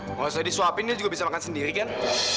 nggak usah disuapin dia juga bisa makan sendiri kan